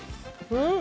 うん。